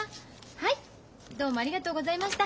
はいどうもありがとうございました。